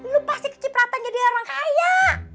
lu pasti kecipratan jadi orang kaya